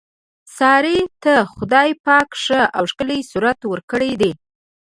سارې ته خدای پاک ښه او ښکلی صورت ورکړی دی.